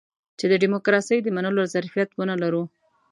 چې د ډيموکراسۍ د منلو ظرفيت ونه لرو.